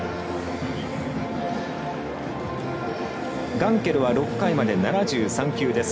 ガンケルは６回まで７３球です。